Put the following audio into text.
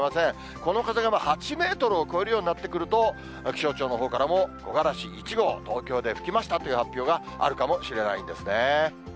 この風が８メートルを超えるようになってくると、気象庁のほうからも、木枯らし１号、東京で吹きましたという発表があるかもしれないんですね。